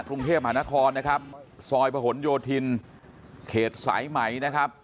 กรุงเทพมหานครนะครับซอยประหลโยธินเขตสายไหมนะครับ